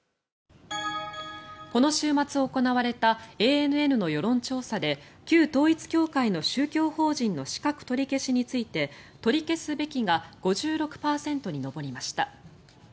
この週末行われたＡＮＮの世論調査で旧統一教会の宗教法人の資格取り消しについて取り消すべきが５６％に上りました。